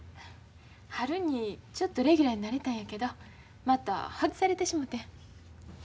春にちょっとレギュラーになれたんやけどまた外されてしもて。